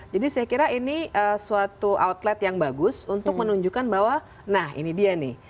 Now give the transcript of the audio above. jadi saya kira ini suatu outlet yang bagus untuk menunjukkan bahwa nah ini dia nih